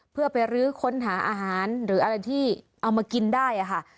เพื่อไปรื้อค้นหาอาหารหรืออะไรที่เอามากินได้ค่ะ